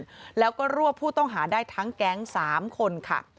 หรือไล่ไปจนทันแล้วก็รวบผู้ต้องหาได้ทั้งแก๊ง๓คนค่ะ